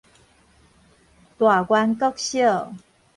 大元國小